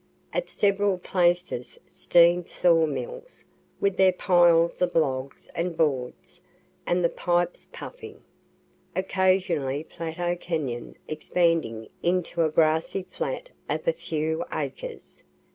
At several places steam saw mills, with their piles of logs and boards, and the pipes puffing. Occasionally Platte cañon expanding into a grassy flat of a few acres.